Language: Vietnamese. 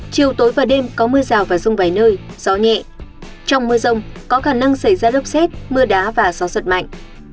chiều tối và đêm có mưa rào và rông vài nơi gió nhẹ trong mưa rông có khả năng xảy ra lốc xét mưa đá và gió giật mạnh